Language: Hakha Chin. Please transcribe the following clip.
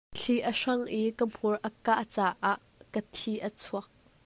Thli a hrang i ka hmur a kah caah ka thi a chuak.